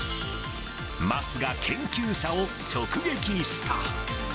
桝が研究者を直撃した。